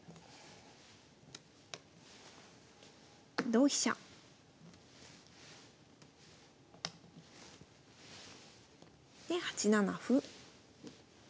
同飛車。で８七歩。